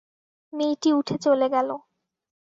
মেয়েটি উঠে চলে গেল।